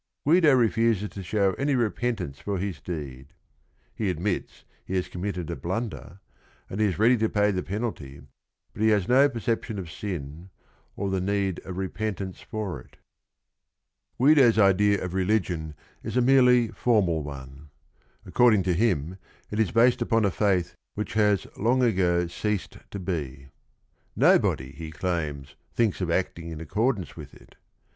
Guido refuses to show any repentance for his deed. He admits he has committed a blunder, and he is ready to pay the penalty, but he has no perception of sin or the need of repentance for it. GUIDO 197 Guido's idea of religion is a merely formal one. Acco rding to him it is based upon a faith which— has long ago ceased to be. Nobody, he claims, thinks of acting in accordance with it.